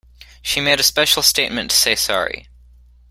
She made a special statement to say sorry